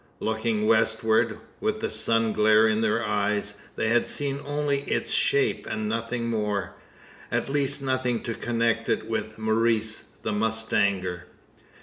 Looking westward, with the sun glare in their eyes, they had seen only its shape, and nothing more at least nothing to connect it with Maurice the mustanger.